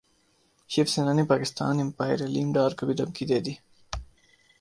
شیو سینا نے پاکستان امپائر علیم ڈار کو بھی دھمکی دے دی